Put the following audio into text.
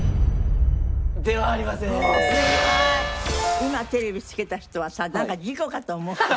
今テレビつけた人はさなんか事故かと思ってる。